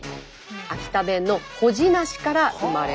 秋田弁の「ほじなし」から生まれました。